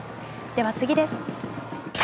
では次です。